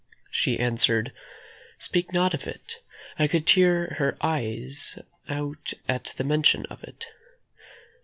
She answered: "Speak not of it; I could tear her eyes out at the mention of it."